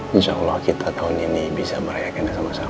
insya allah kita tahun ini bisa merayakannya sama sama